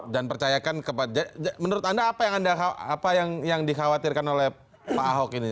dan percayakan kepada menurut anda apa yang dikhawatirkan oleh pak ahok ini